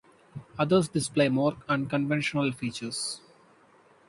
Others display more unconventional features.